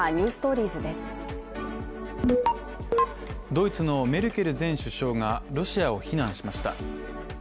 ドイツのメルケル前首相がロシアを非難しました。